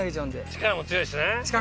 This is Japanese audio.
力も強いし。